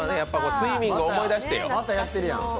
スイミングを思い出してよ。